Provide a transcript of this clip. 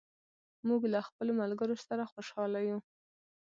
موږ له خپلو ملګرو سره خوشاله یو.